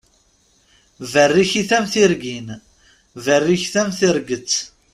Berrikit am tirgin, berriket am terget.